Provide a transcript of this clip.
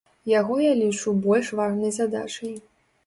Яго я лічу больш важнай задачай.